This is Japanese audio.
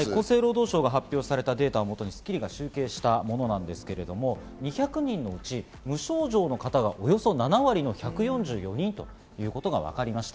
厚生労働省が発表したデータをもとに『スッキリ』が集計したものなんですけど、２００人のうち、無症状の方がおよそ７割の１４４人ということがわかりました。